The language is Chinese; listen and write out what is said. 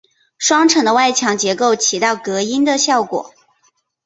双层的外墙结构起到隔音的效果。